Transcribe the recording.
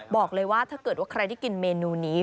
บอกเลยว่าถ้าเกิดว่าใครได้กินเมนูนี้